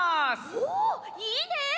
おおいいね！